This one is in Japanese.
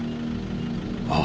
ああ。